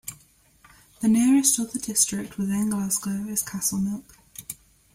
The nearest other district within Glasgow is Castlemilk.